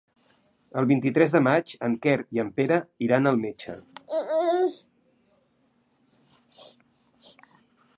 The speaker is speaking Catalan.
El vint-i-tres de maig en Quer i en Pere iran al metge.